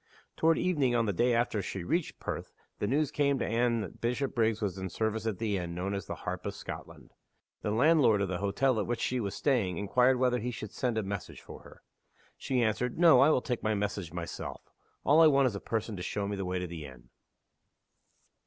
Toward evening, on the day after she reached Perth, the news came to Anne that Bishopriggs was in service at the inn known as the Harp of Scotland. The landlord of the hotel at which she was staying inquired whether he should send a message for her. She answered, "No, I will take my message myself. All I want is a person to show me the way to the inn."